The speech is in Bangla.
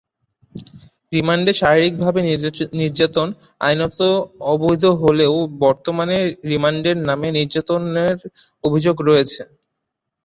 রিমান্ডে শারীরিকভাবে নির্যাতন আইনত অবৈধ হলেও বর্তমানে রিমান্ডের নামে নির্যাতনের অভিযোগ রয়েছে।